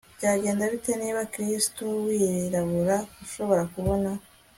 byagenda bite niba kristo wirabura ushobora kubona